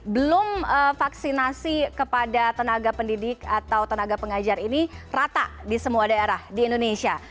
belum vaksinasi kepada tenaga pendidik atau tenaga pengajar ini rata di semua daerah di indonesia